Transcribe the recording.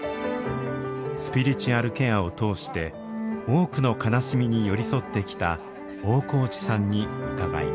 スピリチュアルケアを通して多くの悲しみに寄り添ってきた大河内さんに伺います。